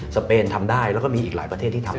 เปนทำได้แล้วก็มีอีกหลายประเทศที่ทำ